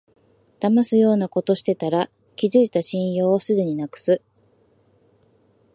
だますようなことしてたら、築いた信用をすぐになくす